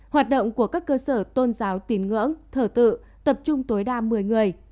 hoạt động của các cơ sở tôn giáo tín ngưỡng thờ tự tập trung tối đa một mươi người